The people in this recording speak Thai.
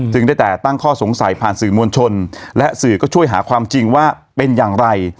ได้แต่ตั้งข้อสงสัยผ่านสื่อมวลชนและสื่อก็ช่วยหาความจริงว่าเป็นอย่างไร